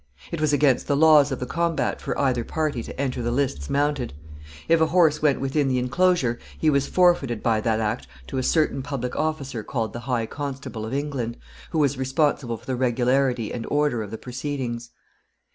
It was against the laws of the combat for either party to enter the lists mounted. If a horse went within the inclosure he was forfeited by that act to a certain public officer called the high constable of England, who was responsible for the regularity and order of the proceedings.